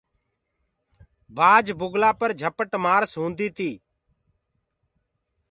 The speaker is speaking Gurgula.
بآج بُگلآ پر جھٽ مآس هوندي تي۔